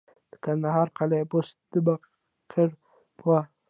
د کندهار قلعه بست د بایقرا وه